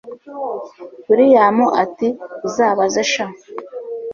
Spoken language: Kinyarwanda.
william atiuzabaze sha